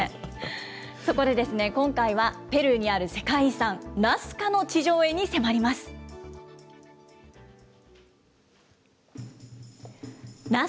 そこで今回は、ペルーにある世界遺産、ナスカの地上絵に迫ります。